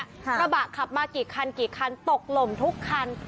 กระบะขับมากี่คันกี่คันตกหล่มทุกคัน